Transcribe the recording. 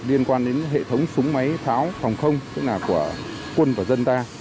liên quan đến hệ thống súng máy pháo phòng không tức là của quân và dân ta